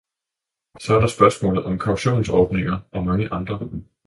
Så er der spørgsmålet om kautionsordninger og mange andre.